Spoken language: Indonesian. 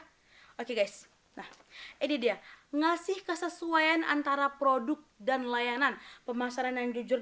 oke guys nah ini dia ngasih kesesuaian antara produk dan layanan pemasaran yang jujur